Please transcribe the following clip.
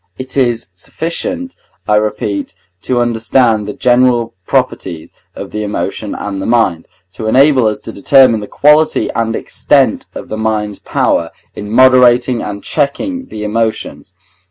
It is sufficient, I repeat, to understand the general properties of the emotions and the mind, to enable us to determine the quality and extent of the mind's power in moderating and checking the emotions.